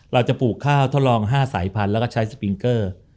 ปลูกข้าวทดลอง๕สายพันธุ์แล้วก็ใช้สปิงเกอร์